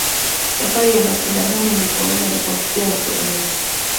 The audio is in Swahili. Safari ya Vasco da Gama ilifaulu alipofikia huko India